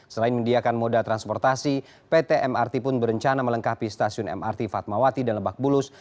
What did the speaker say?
selain mendiakan moda transportasi pt mrt pun berencana melengkapi stasiun mrt fatmawati dan lebak bulus